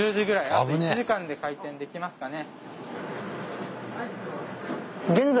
あと１時間で開店できますかね。